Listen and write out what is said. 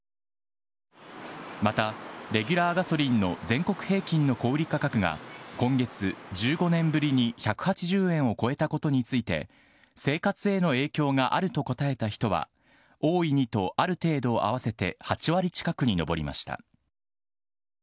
またレギュラーガソリンの全国平均の小売り価格が今月１５年ぶりに１８０円を超えたことについて、生活への影響があると答えた人は大いにとある程度を合わせて８割近くに上りました。